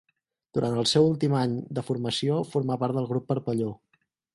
Durant el seu últim any de formació formà part del Grup Parpalló.